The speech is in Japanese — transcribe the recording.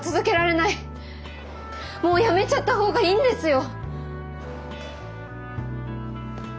もう辞めちゃった方がいいんですよ！